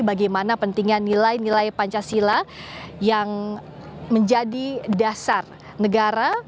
bagaimana pentingnya nilai nilai pancasila yang menjadi dasar negara